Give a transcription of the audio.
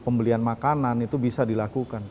pembelian makanan itu bisa dilakukan